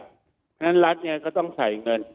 ฉะนั้นรัฐก็ต้องใช้เงิน